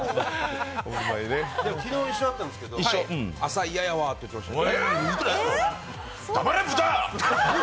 昨日一緒だったんですけど、朝、嫌やわって言ってましたよ。